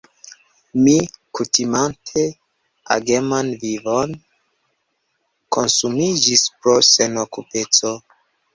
Mi, kutimante ageman vivon, konsumiĝis pro senokupeco.